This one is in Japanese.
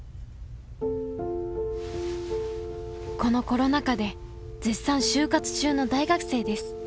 このコロナ禍で絶賛就活中の大学生です。